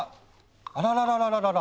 あららららららら。